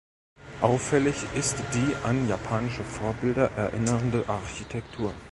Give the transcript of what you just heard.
Auffällig ist die an japanische Vorbilder erinnernde Architektur.